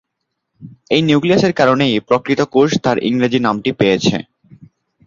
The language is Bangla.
এই নিউক্লিয়াসের কারণেই প্রকৃত কোষ তার ইংরেজি নামটি পেয়েছে।